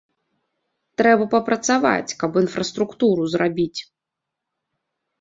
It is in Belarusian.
Трэба папрацаваць, каб інфраструктуру зрабіць.